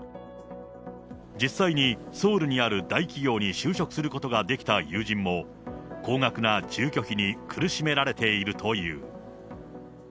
実際にソウルにある大企業に就職することができた友人も、高額な住居費に苦しめられているという。